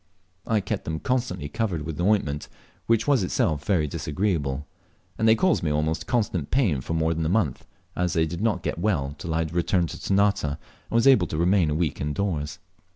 I kept them constantly covered with ointment, which was itself very disagreeable, and they caused me almost constant pain for more than a month, as they did not get well till I had returned to Ternate, and was able to remain a week indoors.